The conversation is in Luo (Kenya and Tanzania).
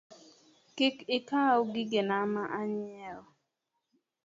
Kik ikaw gigena manyiewo